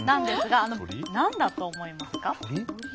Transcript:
何だと思いますか？